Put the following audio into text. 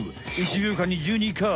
１秒間に１２回！